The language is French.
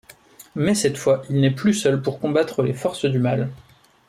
Mais cette fois, il n'est plus seul pour combattre les forces du Mal.